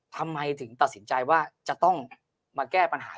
ทำไมถึงตัดสินใจว่าจะต้องมาแก้ปัญหา